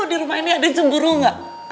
di rumah ini ada cemburu nggak